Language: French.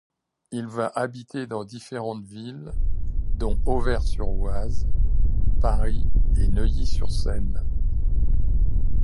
Il va habiter dans différentes villes dont Auvers-sur-Oise, Paris et Neuilly-sur-Seine.